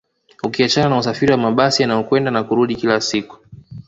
Ukiachana na usafiri wa mabasi yanayokwenda na kurudi kila siku